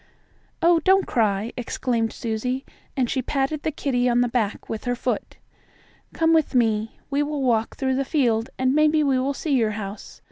"Oh, don't cry!" exclaimed Susie, and she patted the kittie on the back with her foot. "Come with me. We will walk through the field, and maybe we will see your house.